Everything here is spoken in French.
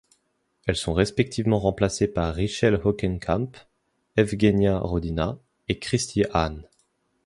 Elles sont respectivement remplacées par Richèl Hogenkamp, Evgeniya Rodina et Kristie Ahn.